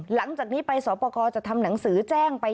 หลังจากนี้ไปสอบประกอบจะทำหนังสือแจ้งไป